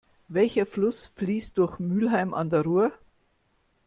Welcher Fluss fließt durch Mülheim an der Ruhr?